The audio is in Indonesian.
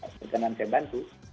rekanan saya bantu